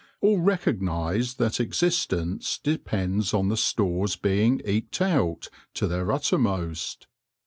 All recognise that existence depends on the stores being eked out to their uttermost.